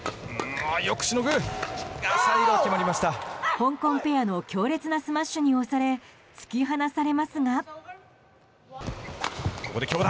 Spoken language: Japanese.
香港ペアの強烈なスマッシュに押され突き放されますが。